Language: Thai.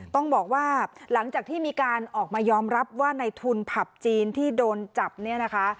ต้องบอกว่าหลังจากที่มีการออกมายอมรับว่าในทุนผับจีนที่โดนจับเนี่ยนะคะ